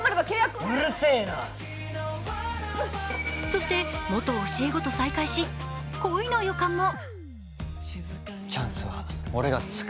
そして、元教え子と再会し恋の予感も。